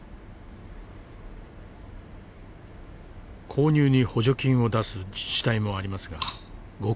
購入に補助金を出す自治体もありますがごく僅か。